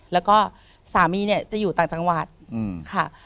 แล้วก็สามีเนี่ยจะอยู่ต่างจังหวัดค่ะ